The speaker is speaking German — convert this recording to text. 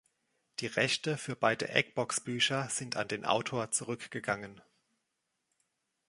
Die Rechte für beide Eggbox-Bücher sind an den Autor zurückgegangen.